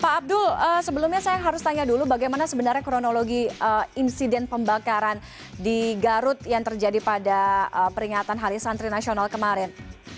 pak abdul sebelumnya saya harus tanya dulu bagaimana sebenarnya kronologi insiden pembakaran di garut yang terjadi pada peringatan hari santri nasional kemarin